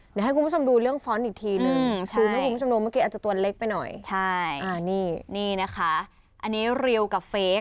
เดี๋ยวให้คุณผู้ชมดูเรื่องฟอนต์อีกทีนึง